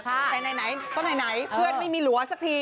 ใกล้ไหนใกล้ไหนเพื่อนไม่มีหลัวสักที